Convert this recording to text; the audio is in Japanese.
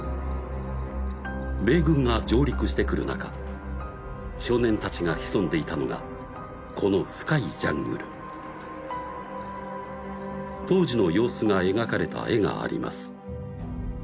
米軍が上陸してくる中少年達が潜んでいたのがこの深いジャングル当時の様子が描かれた絵があります